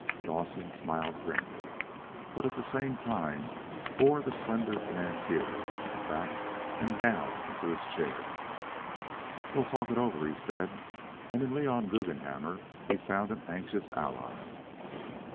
Dowsett smiled grimly, but at the same time bore the slender financier back and down into his chair. "We'll talk it over," he said; and in Leon Guggenhammer he found an anxious ally.